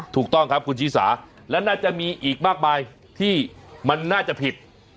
ถูกต้องครับคุณชิสาและน่าจะมีอีกมากมายที่มันน่าจะผิด